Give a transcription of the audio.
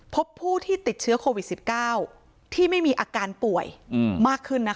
พบผู้ที่ติดเชื้อโควิด๑๙ที่ไม่มีอาการป่วยมากขึ้นนะคะ